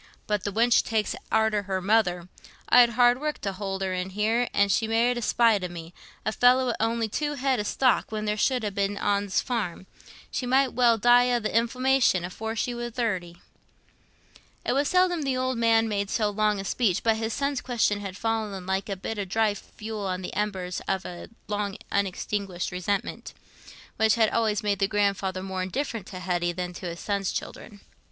"But the wench takes arter her mother. I'd hard work t' hould her in, an' she married i' spite o' me—a feller wi' on'y two head o' stock when there should ha' been ten on's farm—she might well die o' th' inflammation afore she war thirty." It was seldom the old man made so long a speech, but his son's question had fallen like a bit of dry fuel on the embers of a long unextinguished resentment, which had always made the grandfather more indifferent to Hetty than to his son's children.